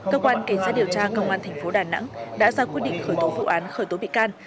cơ quan cảnh sát điều tra công an thành phố đà nẵng đã ra quyết định khởi tố vụ án khởi tố bị can